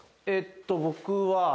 えっと僕は。